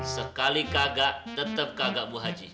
sekali kagak tetap kagak bu haji